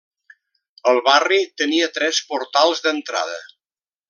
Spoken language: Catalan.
El barri tenia tres portals d'entrada.